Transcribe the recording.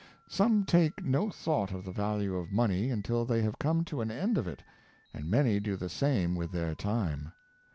Some take no thought of the value of money until they have come to an end of it, and many do the same with their time.